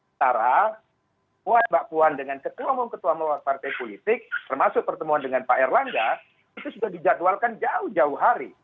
setara mbak puan dengan ketua umum ketua umum partai politik termasuk pertemuan dengan pak erlangga itu sudah dijadwalkan jauh jauh hari